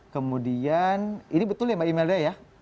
kemudian ini betul ya mbak imelda ya